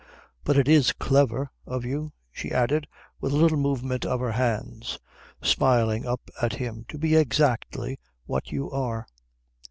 But it's clever of you," she added with a little movement of her hands, smiling up at him, "to be so exactly what you are."